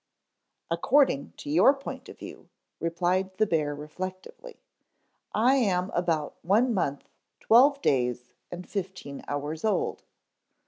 "According to your point of view," replied the bear reflectively, "I am about one month, twelve days and fifteen hours old."